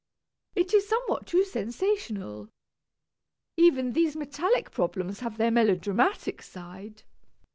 It is somewhat too sensational. Even these metallic problems have their melodramatic side.